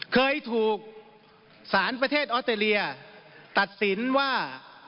เคยถูกสารประเทศออสเตรเลียตัดสินว่า